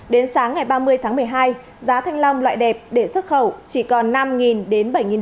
đến sáng ngày ba mươi tháng một mươi hai giá thanh long loại đẹp để xuất khẩu chỉ còn năm bảy đồng một kg